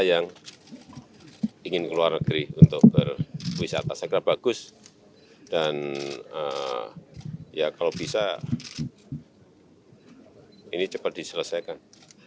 yang ingin keluar negeri untuk berwisata segera bagus dan ya kalau bisa ini cepat diselesaikan